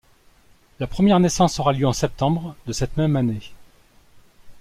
La première naissance aura lieu en septembre de cette même année.